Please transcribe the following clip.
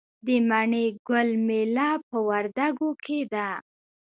د مڼې ګل میله په وردګو کې ده.